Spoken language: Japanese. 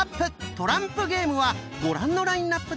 トランプゲーム」はご覧のラインナップでお送りします。